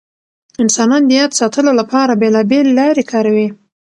انسانان د یاد ساتلو لپاره بېلابېل لارې کاروي.